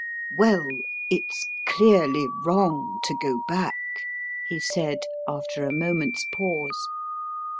"Well, it's clearly wrong to go back," he said, after a moment's pause.